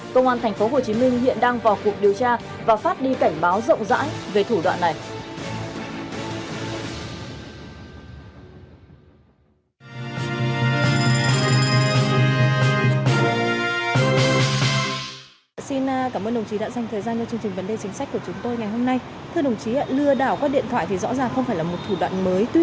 công an tp hcm hiện đang vào cuộc điều tra và phát đi cảnh báo rộng rãi về thủ đoạn này